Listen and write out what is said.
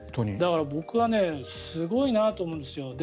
だから僕は本当にすごいなと思うんですよ。